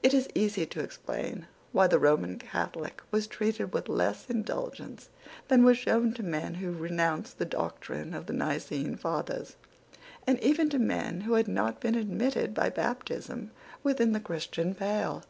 It is easy to explain why the Roman Catholic was treated with less indulgence than was shown to men who renounced the doctrine of the Nicene fathers, and even to men who had not been admitted by baptism within the Christian pale.